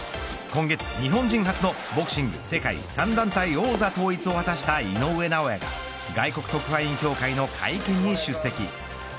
今月、日本人初のボクシング世界３団体王座統一を果たした井上尚弥が外国特派員協会の会見に出席。